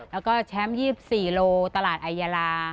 แล้วก็แชมป์๒๔โลตลาดไอยาลา